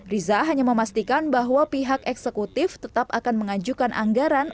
riza hanya memastikan bahwa pihak eksekutif tetap akan mengajukan anggaran